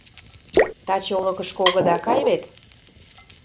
Таче олыкышко огыда кае вет.